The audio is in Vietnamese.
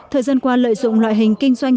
thời gian qua lợi dụng loại hình kinh doanh